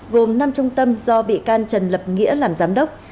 gồm năm trung tâm do bị can trần lập nghĩa làm giám đốc